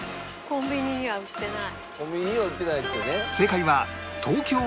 コンビニには売ってないですよね。